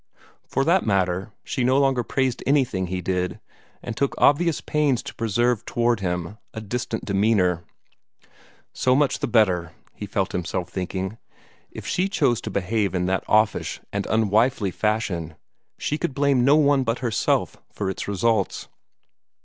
For that matter she no longer praised anything he did, and took obvious pains to preserve toward him a distant demeanor. So much the better, he felt himself thinking. If she chose to behave in that offish and unwifely fashion, she could blame no one but herself for its results.